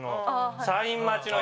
サイン待ちの人。